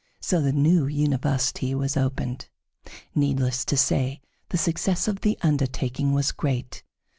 So the new university was opened. Needless to say, the success of the undertaking was great.